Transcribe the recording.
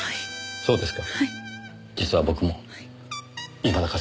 そうですか。